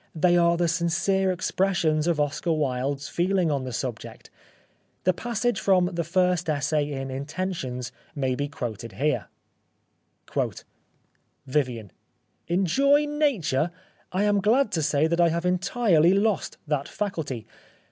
They are the sincere expressions of Oscar Wilde's feeling on the subject. The passage from the first essay in " Intentions " may be quoted here. (( Vivian : Enjoy Nature ! I am glad to say that I have entirely lost that faculty.